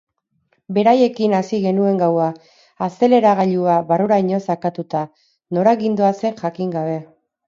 Beraiekin hasi genuen gaua, azeleragailua barruraino sakatuta, nora gindoazen jakin gabe.